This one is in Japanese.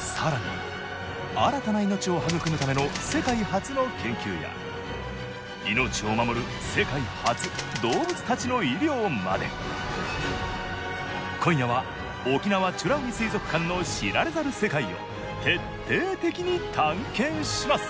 さらに新たな命を育むための世界初の研究や命を守る世界初動物たちの医療まで今夜は沖縄美ら海水族館の知られざる世界を徹底的に探検します！